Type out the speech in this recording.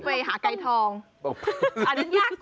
เมนูที่สุดยอด